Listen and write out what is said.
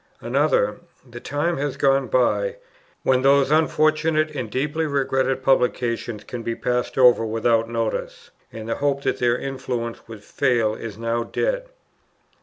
Another: "The time has gone by, when those unfortunate and deeply regretted publications can be passed over without notice, and the hope that their influence would fail is now dead."